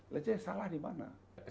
lihat saja salah di mana